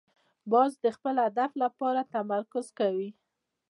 باز د خپل هدف لپاره تمرکز کوي